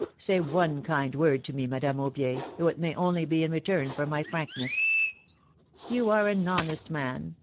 Say one kind word to me, Madame Aubier, though it may only be in return for my frankness." You are an honest man.